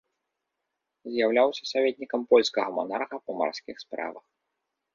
З'яўляўся саветнікам польскага манарха па марскіх справах.